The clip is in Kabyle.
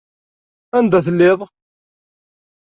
Anda telliḍ?